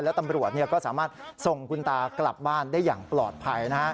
และตำรวจก็สามารถส่งคุณตากลับบ้านได้อย่างปลอดภัย